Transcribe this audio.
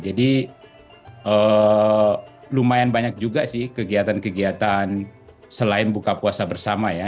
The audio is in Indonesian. jadi lumayan banyak juga sih kegiatan kegiatan selain buka puasa bersama ya